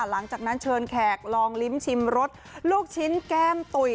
หลังจากนั้นเชิญแขกลองลิ้มชิมรสลูกชิ้นแก้มตุ๋ย